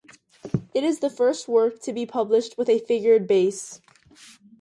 It is the first work to be published with a figured bass.